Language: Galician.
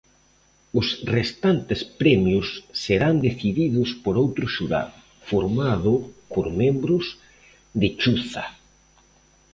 Os restantes premios serán decididos por outro xurado, formado por membros de Chuza.